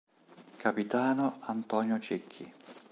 Capitano Antonio Cecchi